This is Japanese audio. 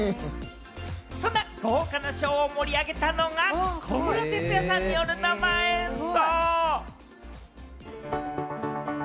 そんな豪華なショーを盛り上げたのが小室哲哉さんによる生演奏。